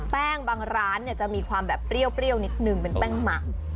แป้งบางร้านเนี่ยจะมีความแบบเปรี้ยวนิดนึงเป็นแป้งหมัก